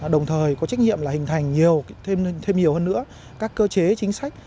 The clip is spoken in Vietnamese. đồng thời có trách nhiệm hình thành thêm nhiều hơn nữa các cơ chế chính sách